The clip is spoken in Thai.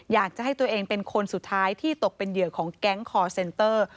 อยากจะให้ตัวเองเป็นคนสุดท้ายที่ตกเป็นเหยื่อของแก๊งคอร์เซนเตอร์